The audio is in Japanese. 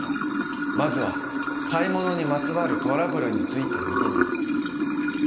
まずは買い物にまつわるトラブルについて見てみよう。